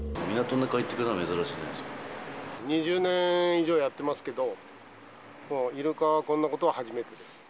２０年以上やってますけど、イルカがこんなことは初めてです。